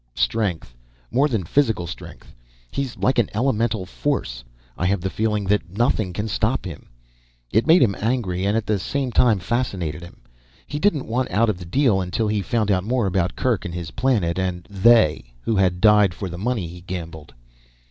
Strength more than physical strength he's like an elemental force. I have the feeling that nothing can stop him. It made him angry and at the same time fascinated him. He didn't want out of the deal until he found out more about Kerk and his planet. And "they" who had died for the money he gambled.